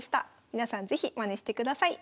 皆さん是非まねしてください。